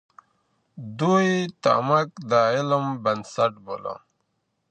دوی تعمق د علم بنسټ باله.